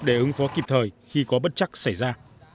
để ứng phó kịp thời khi có bất chắc xảy ra